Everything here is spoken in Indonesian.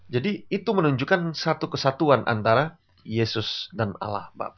jadi itu menunjukkan satu kesatuan antara yesus dan allah bapa